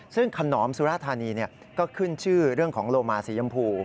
ซึ่งขนอมสุรธานีก็ขึ้นชื่อเรื่องของโลมาสียำพู